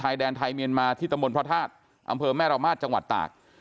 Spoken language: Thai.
แดนไทยเมียนมาที่ตะมนต์พระธาตุอำเภอแม่ระมาทจังหวัดตาก